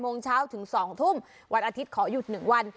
โมงเช้าถึง๒ทุ่มวันอาทิตย์ขอหยุด๑วัน